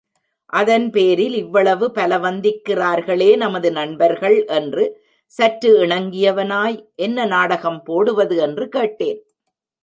அதன்பேரில் இவ்வளவு பலவந்திக்கிறார்களே நமது நண்பர்கள் என்று சற்று இணங்கினவனாய், என்ன நாடகம் போடுவது என்று கேட்டேன்.